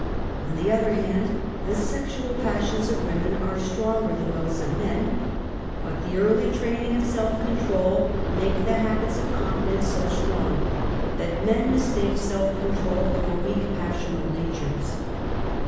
On the other hand the sexual passions of women are stronger than those of men, but the early training of self control, make the habits of continence so strong that men mistake self control for weak pas^ sional natures.